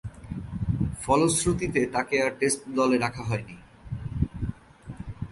ফলশ্রুতিতে তাকে আর টেস্ট দলে রাখা হয়নি।